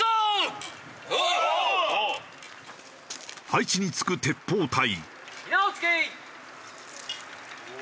配置につく鉄砲隊。